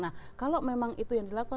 nah kalau memang itu yang dilakukan